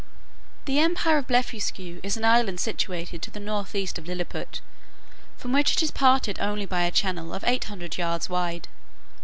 The empire of Blefuscu is an island situated to the north east of Lilliput, from which it is parted only by a channel of eight hundred yards wide.